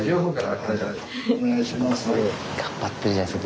お願いします。